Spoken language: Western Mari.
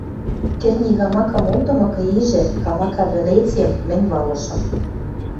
Кӹртни камакам олтымыкы ижӹ, камака вӹлецем мӹнь валышым.